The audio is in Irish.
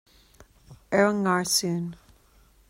Ar an ngarsún